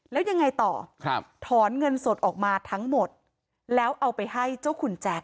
แล้วยังไงต่อครับถอนเงินสดออกมาทั้งหมดแล้วเอาไปให้เจ้าคุณแจ๊ค